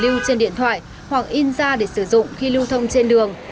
lưu trên điện thoại hoặc in ra để sử dụng khi lưu thông trên đường